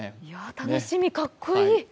楽しみ、かっこいい。